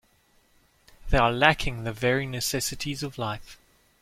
They are lacking the very necessities of life.